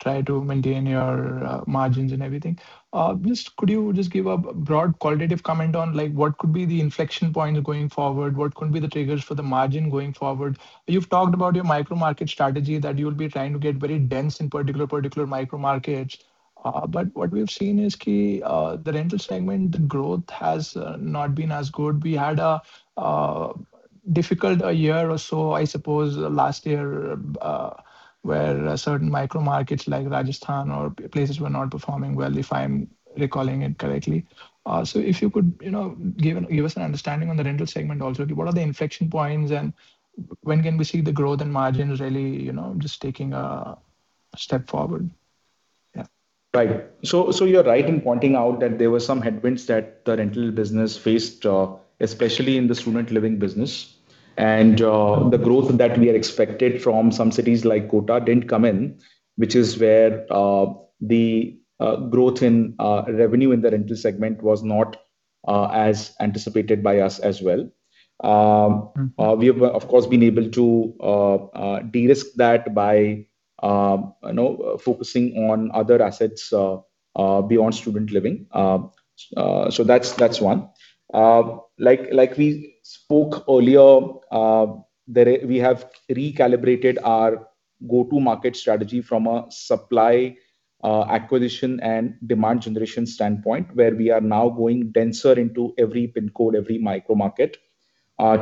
try to maintain your margins and everything. Could you just give a broad qualitative comment on what could be the inflection points going forward? What could be the triggers for the margin going forward? You've talked about your micro-market strategy that you'll be trying to get very dense in particular, particular micro-markets. What we've seen is the rental segment, the growth has not been as good. We had a difficult year or so, I suppose, last year where certain micro-markets like Rajasthan or places were not performing well, if I'm recalling it correctly. If you could give us an understanding on the rental segment also, what are the inflection points, and when can we see the growth and margins really just taking a step forward? Yeah. Right. You're right in pointing out that there were some headwinds that the rental business faced, especially in the student living business. The growth that we had expected from some cities like Kota did not come in, which is where the growth in revenue in the rental segment was not as anticipated by us as well. We have, of course, been able to de-risk that by focusing on other assets beyond student living. That's one. Like we spoke earlier, we have recalibrated our go-to-market strategy from a supply acquisition and demand generation standpoint, where we are now going denser into every PIN code, every micro-market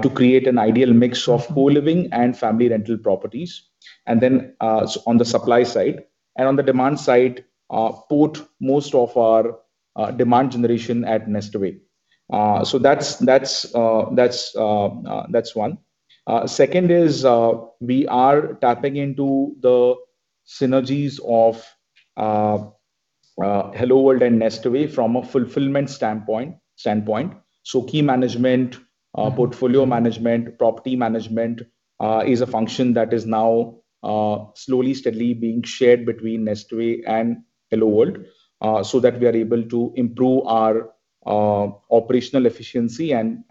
to create an ideal mix of co-living and family rental properties. On the supply side and on the demand side, we put most of our demand generation at Nestaway. That's one. Second is we are tapping into the synergies of Hello World and Nestaway from a fulfillment standpoint. Key management, portfolio management, property management is a function that is now slowly, steadily being shared between Nestaway and Hello World so that we are able to improve our operational efficiency and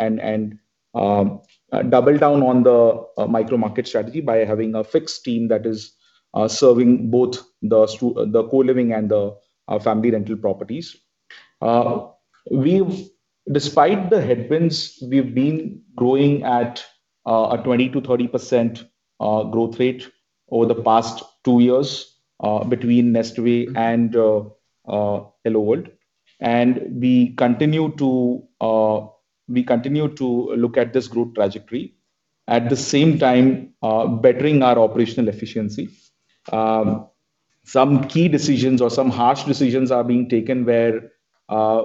double down on the micro-market strategy by having a fixed team that is serving both the co-living and the family rental properties. Despite the headwinds, we've been growing at a 20%-30% growth rate over the past two years between Nestaway and Hello World. We continue to look at this growth trajectory at the same time bettering our operational efficiency. Some key decisions or some harsh decisions are being taken where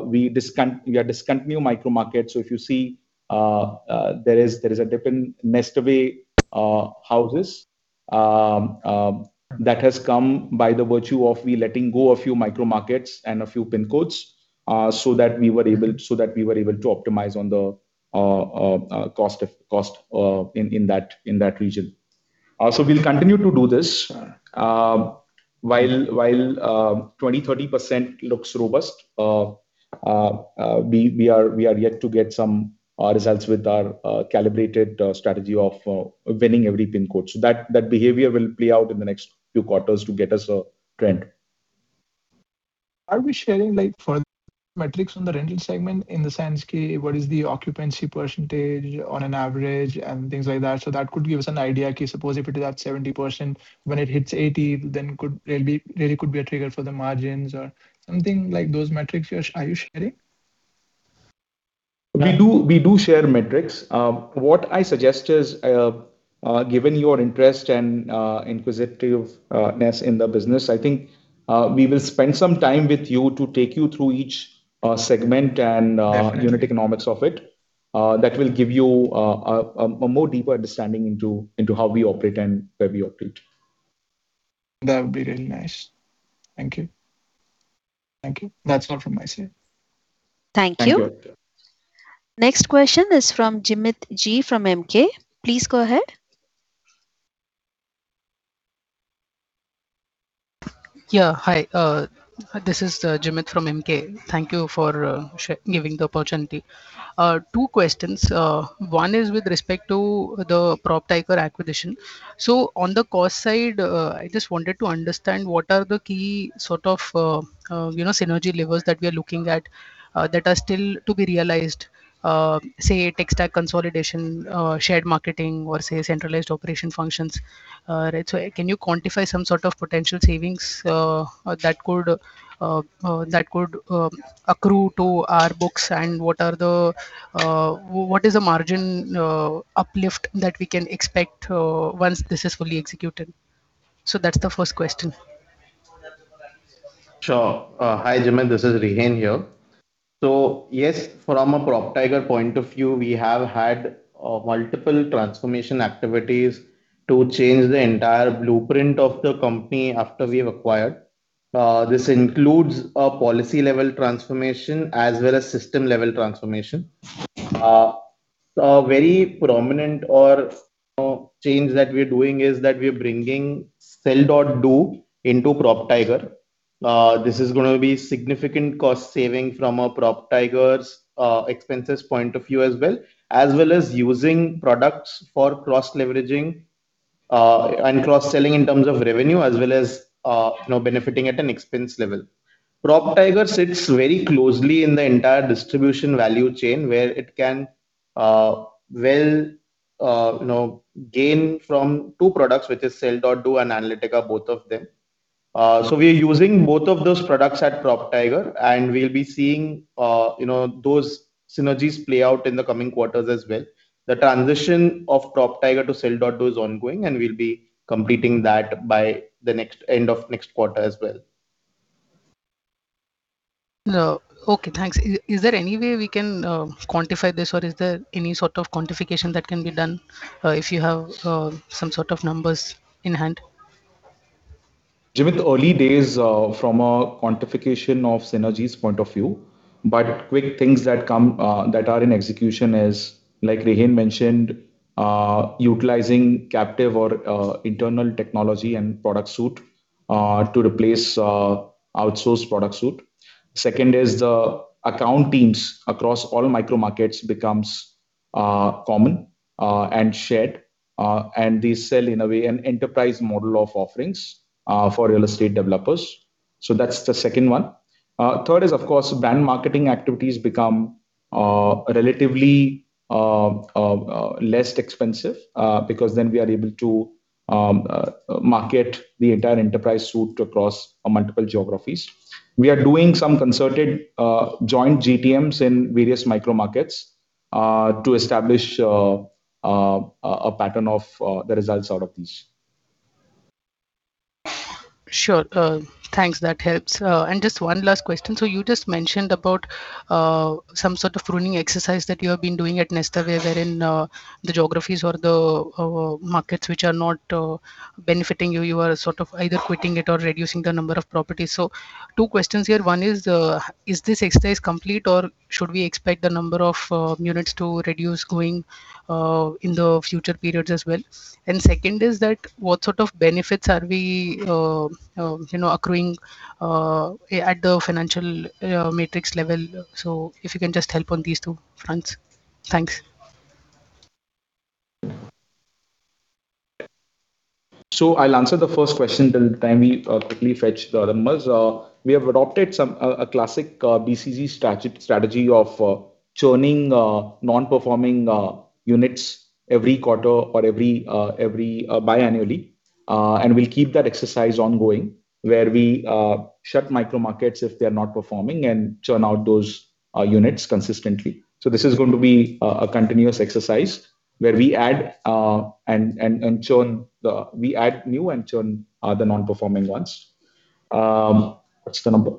we discontinue micro-markets. If you see there is a dip in Nestaway houses, that has come by the virtue of we letting go of a few micro-markets and a few PIN codes so that we were able to optimize on the cost in that region. We will continue to do this. While 20%-30% looks robust, we are yet to get some results with our calibrated strategy of winning every PIN code. That behavior will play out in the next few quarters to get us a trend. Are we sharing further metrics on the rental segment in the sense what is the occupancy percentage on an average and things like that? That could give us an idea. Suppose if it is at 70%, when it hits 80%, then there could be a trigger for the margins or something like those metrics. Are you sharing? We do share metrics. What I suggest is, given your interest and inquisitiveness in the business, I think we will spend some time with you to take you through each segment and unit economics of it. That will give you a more deeper understanding into how we operate and where we operate. That would be really nice. Thank you. Thank you. That's all from my side. Thank you. Next question is from Jimit Zaveri from Emkay. Please go ahead. Yeah, hi. This is Jimit from Emkay. Thank you for giving the opportunity. Two questions. One is with respect to the PropTiger acquisition. On the cost side, I just wanted to understand what are the key sort of synergy levers that we are looking at that are still to be realized, say, tech stack consolidation, shared marketing, or, say, centralized operation functions. Can you quantify some sort of potential savings that could accrue to our books? What is the margin uplift that we can expect once this is fully executed? That's the first question. Sure. Hi, Jimit. This is Rehan here. Yes, from a PropTiger point of view, we have had multiple transformation activities to change the entire blueprint of the company after we have acquired. This includes a policy-level transformation as well as system-level transformation. A very prominent change that we are doing is that we are bringing Sell.Do into PropTiger. This is going to be significant cost saving from a PropTiger expenses point of view as well, as well as using products for cross-leveraging and cross-selling in terms of revenue, as well as benefiting at an expense level. PropTiger sits very closely in the entire distribution value chain where it can well gain from two products, which are Sell.Do and Analytica, both of them. We are using both of those products at PropTiger, and we'll be seeing those synergies play out in the coming quarters as well. The transition of PropTiger to Sell.Do is ongoing, and we'll be completing that by the end of next quarter as well. Okay, thanks. Is there any way we can quantify this, or is there any sort of quantification that can be done if you have some sort of numbers in hand? Jimit, early days from a quantification of synergies point of view. Quick things that are in execution are, like Rehan mentioned, utilizing captive or internal technology and product suite to replace outsourced product suite. Second is the account teams across all micro-markets become common and shared, and they sell in a way an enterprise model of offerings for real estate developers. That is the second one. Third is, of course, brand marketing activities become relatively less expensive because then we are able to market the entire enterprise suite across multiple geographies. We are doing some concerted joint GTMs in various micro-markets to establish a pattern of the results out of these. Sure. Thanks. That helps. Just one last question. You just mentioned about some sort of pruning exercise that you have been doing at Nestaway, wherein the geographies or the markets which are not benefiting you, you are sort of either quitting it or reducing the number of properties. Two questions here. One is, is this exercise complete, or should we expect the number of units to reduce going in the future periods as well? Second is, what sort of benefits are we accruing at the financial matrix level? If you can just help on these two fronts. Thanks. I'll answer the first question till the time we quickly fetch the numbers. We have adopted a classic BCG strategy of churning non-performing units every quarter or every biannually. We will keep that exercise ongoing where we shut micro-markets if they are not performing and churn out those units consistently. This is going to be a continuous exercise where we add new and churn the non-performing ones. What's the number?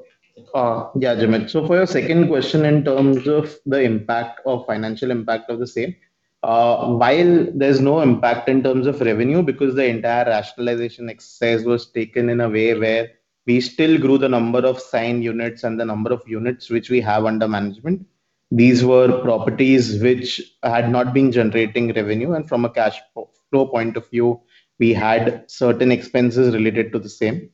Yeah, Jimit. For your second question in terms of the financial impact of the same, while there's no impact in terms of revenue because the entire rationalization exercise was taken in a way where we still grew the number of signed units and the number of units which we have under management, these were properties which had not been generating revenue. From a cash flow point of view, we had certain expenses related to the same.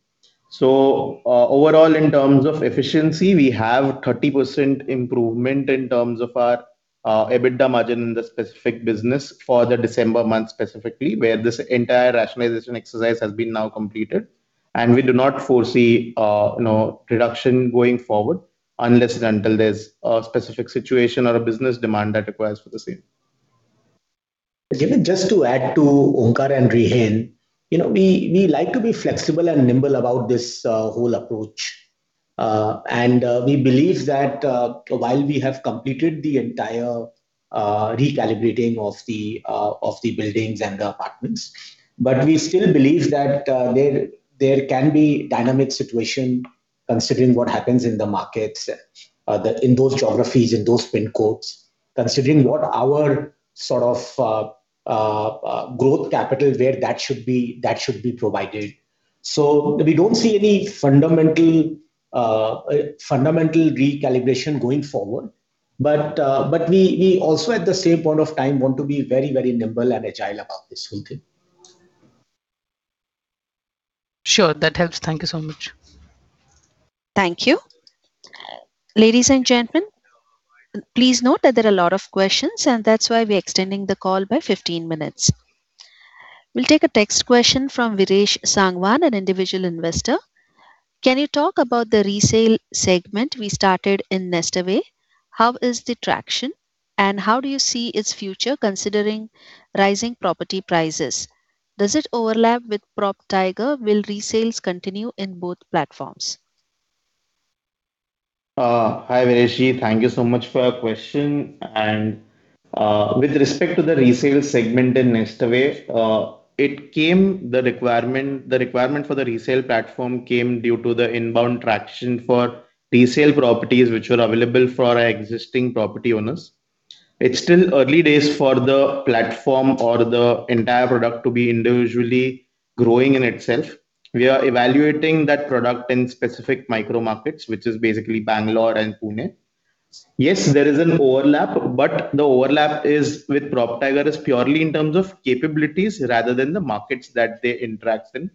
Overall, in terms of efficiency, we have 30% improvement in terms of our EBITDA margin in the specific business for the December month specifically, where this entire rationalization exercise has been now completed. We do not foresee reduction going forward unless and until there's a specific situation or a business demand that requires for the same. Jimit, just to add to Onkar and Rehan, we like to be flexible and nimble about this whole approach. We believe that while we have completed the entire recalibrating of the buildings and the apartments, we still believe that there can be dynamic situations considering what happens in the markets in those geographies, in those PIN codes, considering what our sort of growth capital, where that should be provided. We do not see any fundamental recalibration going forward. We also, at the same point of time, want to be very, very nimble and agile about this whole thing. Sure. That helps. Thank you so much. Thank you. Ladies and gentlemen, please note that there are a lot of questions, and that's why we are extending the call by 15 minutes. We'll take a text question from Viresh Sangwan, an individual investor. Can you talk about the resale segment we started in Nestaway? How is the traction, and how do you see its future considering rising property prices? Does it overlap with PropTiger? Will resales continue in both platforms? Hi, Vireshji. Thank you so much for your question. With respect to the resale segment in Nestaway, the requirement for the resale platform came due to the inbound traction for resale properties which were available for our existing property owners. It is still early days for the platform or the entire product to be individually growing in itself. We are evaluating that product in specific micro-markets, which is basically Bangalore and Pune. Yes, there is an overlap, but the overlap with PropTiger is purely in terms of capabilities rather than the markets that they interact in.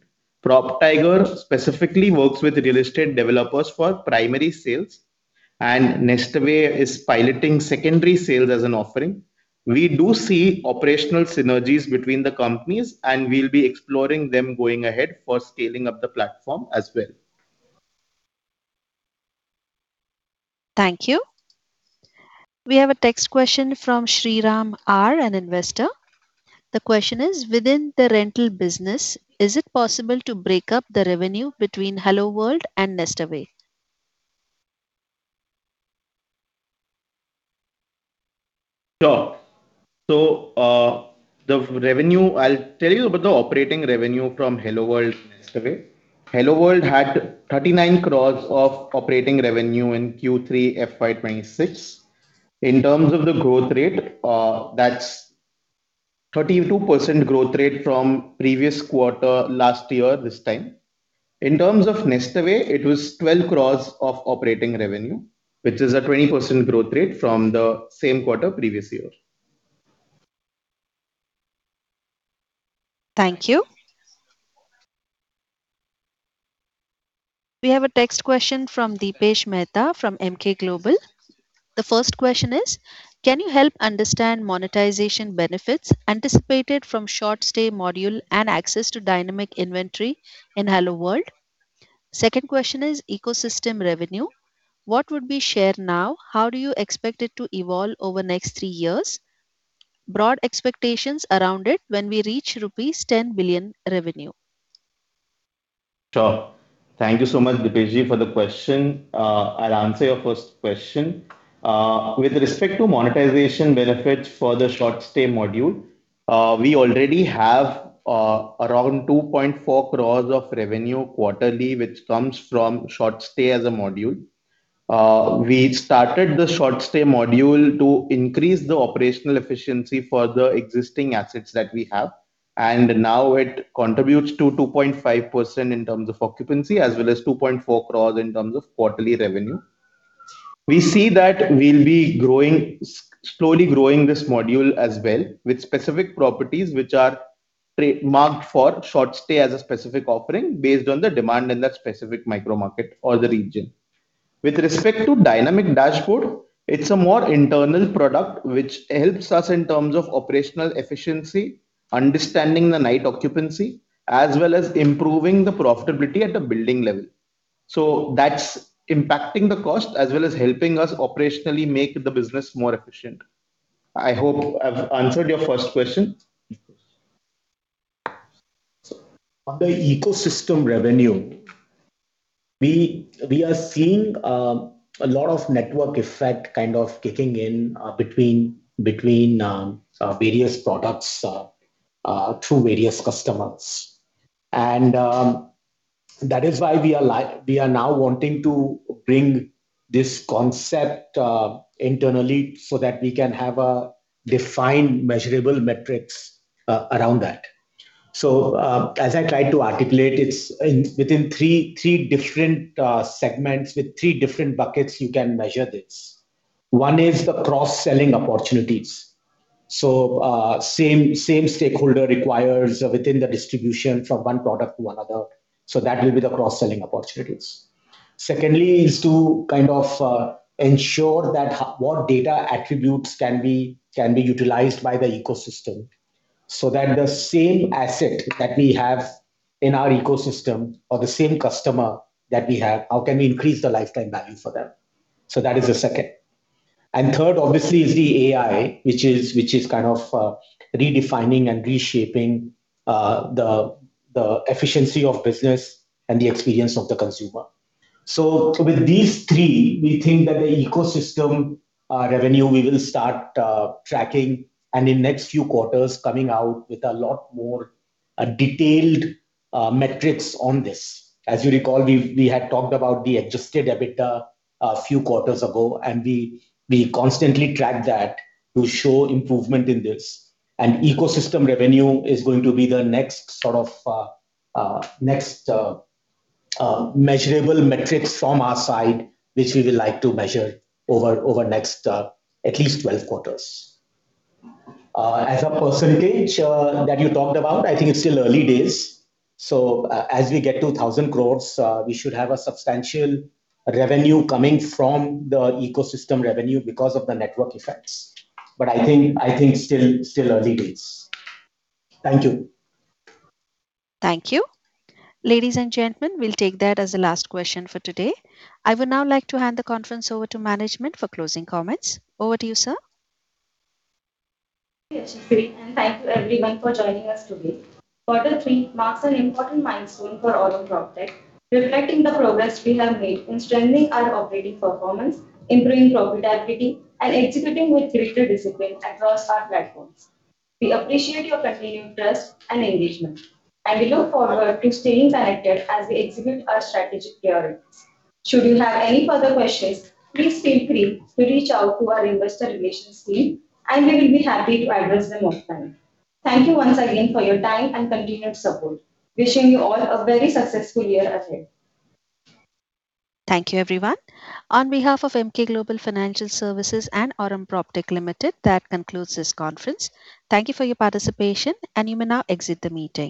PropTiger specifically works with real estate developers for primary sales, and Nestaway is piloting secondary sales as an offering. We do see operational synergies between the companies, and we will be exploring them going ahead for scaling up the platform as well. Thank you. We have a text question from Sriram R, an investor. The question is, within the rental business, is it possible to break up the revenue between Hello World and Nestaway? Sure. The revenue, I'll tell you about the operating revenue from Hello World and Nestaway. Hello World had 39 crore of operating revenue in Q3 FY2026. In terms of the growth rate, that's 32% growth rate from previous quarter last year this time. In terms of Nestaway, it was 12 crore of operating revenue, which is a 20% growth rate from the same quarter previous year. Thank you. We have a text question from Deepesh Mehta from Emkay Global. The first question is, can you help understand monetization benefits anticipated from short-stay module and access to dynamic inventory in Hello World? Second question is ecosystem revenue. What would be share now? How do you expect it to evolve over next three years? Broad expectations around it when we reach rupees 10 billion revenue. Sure. Thank you so much, Deepeshji, for the question. I'll answer your first question. With respect to monetization benefits for the short-stay module, we already have around 24 million of revenue quarterly, which comes from short-stay as a module. We started the short-stay module to increase the operational efficiency for the existing assets that we have. It now contributes to 2.5% in terms of occupancy as well as 24 million in terms of quarterly revenue. We see that we'll be slowly growing this module as well with specific properties which are marked for short-stay as a specific offering based on the demand in that specific micro-market or the region. With respect to dynamic dashboard, it's a more internal product which helps us in terms of operational efficiency, understanding the night occupancy, as well as improving the profitability at the building level. That's impacting the cost as well as helping us operationally make the business more efficient. I hope I've answered your first question. On the ecosystem revenue, we are seeing a lot of network effect kind of kicking in between various products through various customers. That is why we are now wanting to bring this concept internally so that we can have defined measurable metrics around that. As I tried to articulate, it is within three different segments with three different buckets you can measure this. One is the cross-selling opportunities. Same stakeholder requires within the distribution from one product to another. That will be the cross-selling opportunities. Secondly is to kind of ensure that what data attributes can be utilized by the ecosystem so that the same asset that we have in our ecosystem or the same customer that we have, how can we increase the lifetime value for them? That is the second. Third, obviously, is the AI, which is kind of redefining and reshaping the efficiency of business and the experience of the consumer. With these three, we think that the ecosystem revenue we will start tracking and in the next few quarters coming out with a lot more detailed metrics on this. As you recall, we had talked about the adjusted EBITDA a few quarters ago, and we constantly track that to show improvement in this. Ecosystem revenue is going to be the next sort of measurable metrics from our side, which we would like to measure over the next at least 12 quarters. As a percentage that you talked about, I think it is still early days. As we get to 1,000 crore, we should have a substantial revenue coming from the ecosystem revenue because of the network effects. I think it is still early days. Thank you. Thank you. Ladies and gentlemen, we'll take that as the last question for today. I would now like to hand the conference over to management for closing comments. Over to you, sir. Vireshji, and thank you everyone for joining us today. Quarter three marks an important milestone for Aurum PropTech, reflecting the progress we have made in strengthening our operating performance, improving profitability, and executing with greater discipline across our platforms. We appreciate your continued trust and engagement, and we look forward to staying connected as we execute our strategic priorities. Should you have any further questions, please feel free to reach out to our investor relations team, and we will be happy to address them offline. Thank you once again for your time and continued support. Wishing you all a very successful year ahead. Thank you, everyone. On behalf of Emkay Global Financial Services and Aurum PropTech Limited, that concludes this conference. Thank you for your participation, and you may now exit the meeting.